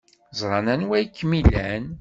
Ẓran anwa ay kem-ilan.